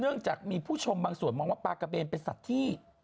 จากมีผู้ชมบางส่วนมองว่าปลากระเบนเป็นสัตว์ที่